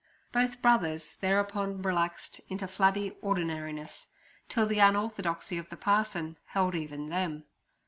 Both Brothers thereupon relaxed into flabby ordinariness, till the unorthodoxy of the parson held even them.